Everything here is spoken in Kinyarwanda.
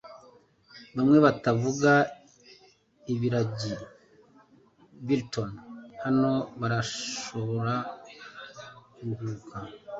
Bamwe batavuga ibiragi Milton hano barashobora kuruhuka,